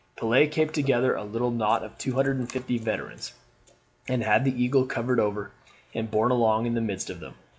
Pelet kept together a little knot of 250 veterans, and had the eagle covered over, and borne along in the midst of them.